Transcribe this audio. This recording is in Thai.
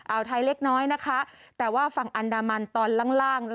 เอาไทยเล็กน้อยนะคะแต่ว่าฝั่งอันดามันตอนล่างล่าง